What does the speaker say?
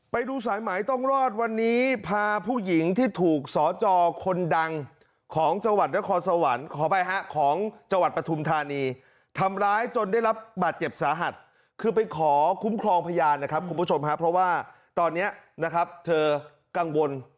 ไปดูสายหมายต้องรอดวันนี้พาผู้หญิงที่ถูกสอจอคนดังของจังหวัดนครสวรรค์ขออภัยฮะของจังหวัดปฐุมธานีทำร้ายจนได้รับบาดเจ็บสาหัสคือไปขอคุ้มครองพยานนะครับคุณผู้ชมครับเพราะว่าตอนนี้นะครับเธอกังวล